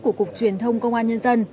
của cục truyền thông công an nhân dân